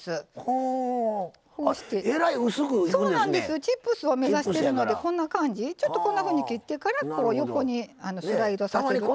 チップスを目指しているのでちょっと、こんなふうに切ってから横にスライドさせると。